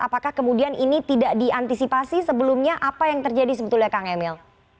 apakah kemudian ini tidak diantisipasi sebelumnya apa yang terjadi sebetulnya kang emil